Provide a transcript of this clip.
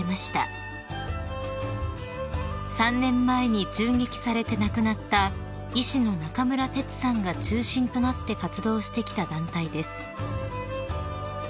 ［３年前に銃撃されて亡くなった医師の中村哲さんが中心となって活動してきた団体です］